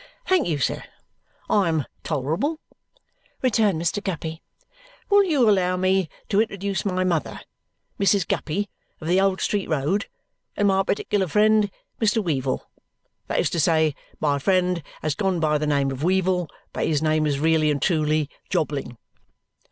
"Thank you, sir, I am tolerable," returned Mr. Guppy. "Will you allow me to introduce my mother, Mrs. Guppy of the Old Street Road, and my particular friend, Mr. Weevle. That is to say, my friend has gone by the name of Weevle, but his name is really and truly Jobling."